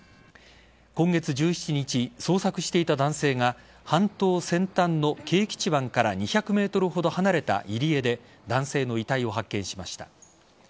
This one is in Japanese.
今月１７日、捜索していた男性が半島先端の啓吉湾から２００ｍほど離れた入り江で男性の遺体を発見しました。